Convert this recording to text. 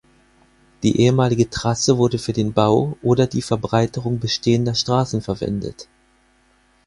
Die ehemalige Trasse wurde für den Bau oder die Verbreiterung bestehender Straßen verwendet.